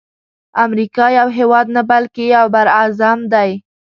امریکا یو هیواد نه بلکی یو بر اعظم دی.